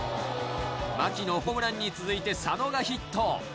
牧のホームランに続いて佐野がヒット。